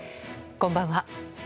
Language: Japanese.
こんばんは。